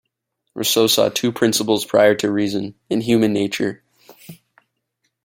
Rousseau saw "two principles prior to reason" in human nature.